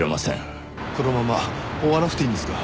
このまま追わなくていいんですか？